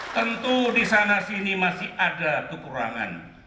tentu di sana sini masih ada kekurangan